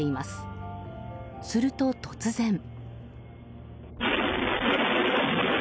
すると、突然。